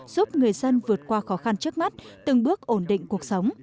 giúp người dân vượt qua khó khăn trước mắt từng bước ổn định cuộc sống